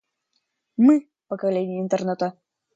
Мы — поколение Интернета.